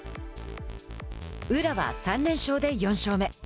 宇良は３連勝で４勝目。